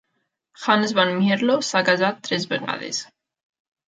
Hans van Mierlo s'ha casat tres vegades.